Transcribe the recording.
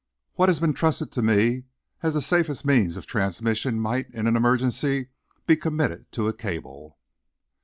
What has been trusted to me as the safest means of transmission, might, in an emergency, be committed to a cable."